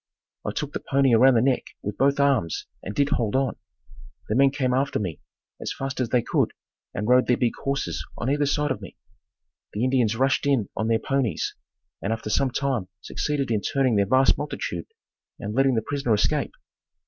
I took the pony around the neck with both arms and did hold on. The men came after me as fast as they could and rode their big horses on either side of me. The Indians rushed in on their ponies and after some time succeeded in turning that vast multitude and letting the prisoner escape.